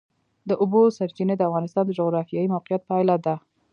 د اوبو سرچینې د افغانستان د جغرافیایي موقیعت پایله ده.